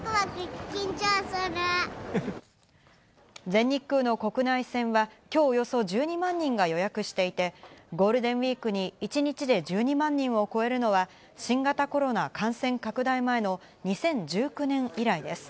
全日空の国内線は今日およそ１２万人が予約していて、ゴールデンウイークに一日で１２万人を超えるのは新型コロナ感染拡大前の２０１９年以来です。